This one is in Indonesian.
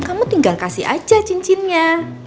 kamu tinggal kasih aja cincinnya